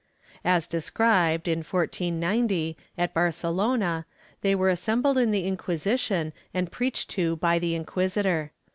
As described, in 1490, at Barcelona, they were assembled in the Inquisition and preached to by the inquisitor.